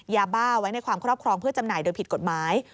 ยาบ้าไว้ในความครอบครองเพื่อจำหน่ายโดยผิดกฎหมาย